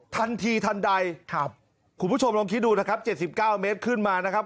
ทันทีทันใดครับคุณผู้ชมลองคิดดูนะครับ๗๙เมตรขึ้นมานะครับ